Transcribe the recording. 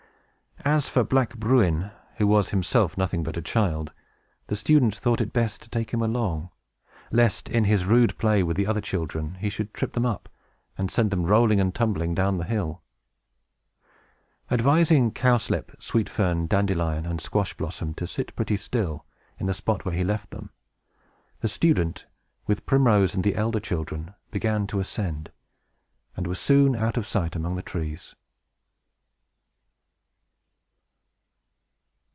As for black Bruin, who was himself nothing but a child, the student thought it best to take him along, lest, in his rude play with the other children, he should trip them up, and send them rolling and tumbling down the hill. Advising Cowslip, Sweet Fern, Dandelion, and Squash Blossom to sit pretty still, in the spot where he left them, the student, with Primrose and the elder children, began to ascend, and were soon out of sight among the trees.